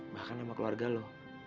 bahkan sama keluarga lo